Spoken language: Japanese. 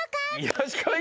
よしこい！